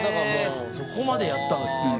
そこまでやったんですね。